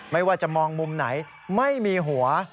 ไม่ว่าจะมองมุมไหนไม่มีหัว